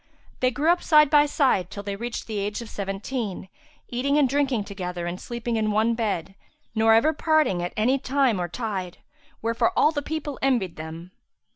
They grew up side by side till they reached the age of seventeen, eating and drinking together and sleeping in one bed, nor ever parting at any time or tide; wherefore all the people envied them.